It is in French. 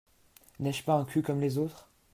N’ai-je pas un cul comme les autres ?